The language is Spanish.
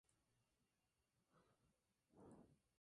ustedes hubieron comido